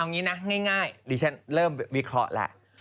อย่างนี้นะง่ายดิฉันเริ่มวิเคราะห์แล้ว